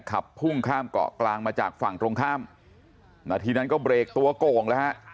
ขับพุ่งข้ามเกาะกลางมาจากฝั่งตรงข้ามนาทีนั้นก็เบรกตัวโก่งแล้วฮะ